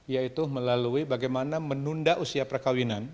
yaitu melalui bagaimana menunda usia perkawinan